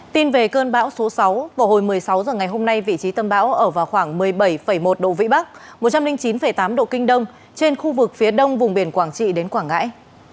tin về cơn bão số sáu vào hồi một mươi sáu h ngày hôm nay vị trí tâm bão ở vào khoảng một mươi bảy một độ vĩ bắc một trăm linh chín tám độ kinh đông trên khu vực phía đông vùng biển quảng trị đến quảng ngãi